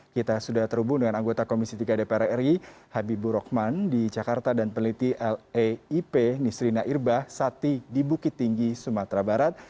kita sudah terhubung dengan anggota komisi tiga dpr ri habibur rohman di jakarta dan peneliti laip nisrina irbah sati di bukit tinggi sumatera barat